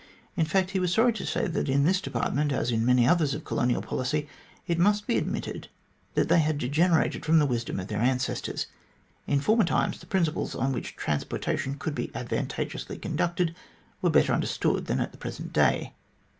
In fact, he was sorry to say that in this department, as in many others of colonial policy, it must be admitted that they had degenerated from the wisdom of their ancestors. In former times the principles on which transportation could be advantageously conducted were better understood than at the present day.